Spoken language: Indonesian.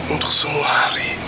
untuk semua hari